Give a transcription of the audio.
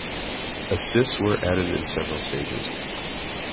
Assists were added in several stages.